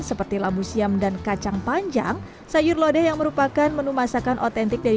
seperti labu siam dan kacang panjang sayur lodeh yang merupakan menu masakan otentik dari